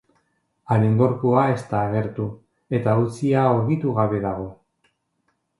Haren gorpua ez da agertu, eta auzia argitu gabe dago.